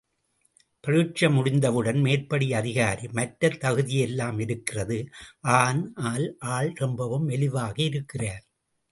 பரீட்சை முடிந்தவுடன் மேற்படி அதிகாரி, மற்ற தகுதியெல்லாம் இருக்கிறது ஆனால் ஆள் ரொம்பவும் மெலிவாக இருக்கிறார்.